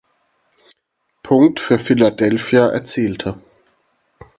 Punkt für Philadelphia erzielte.